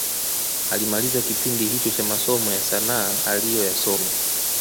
Alimaliza kipindi hicho cha masomo ya sanaa aliyoyasoma